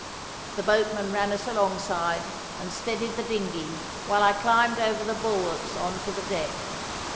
The boatmen ran us alongside and steadied the dinghy while I climbed over the bulwarks on to the deck.